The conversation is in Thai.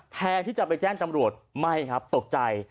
แทนที่จะไปแจ้งตำรวจไม่ครับตกใจ